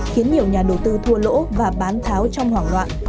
khiến nhiều nhà đầu tư thua lỗ và bán tháo trong hoảng loạn